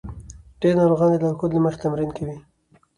ډېر ناروغان د لارښود له مخې تمرین کوي.